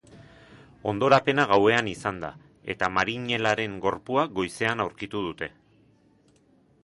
Hondorapena gauean izan da, eta marinelaren gorpua goizean aurkitu dute.